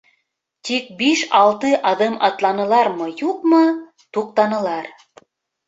Тик биш-алты аҙым атланылармы-юҡмы, туҡтанылар.